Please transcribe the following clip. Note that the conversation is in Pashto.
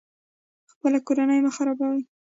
خپله کورنۍ مه خرابوئ